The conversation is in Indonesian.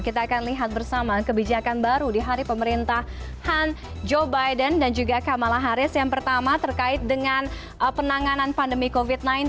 kita akan lihat bersama kebijakan baru di hari pemerintahan joe biden dan juga kamala harris yang pertama terkait dengan penanganan pandemi covid sembilan belas